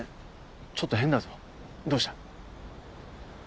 ちょっと変だぞどうした？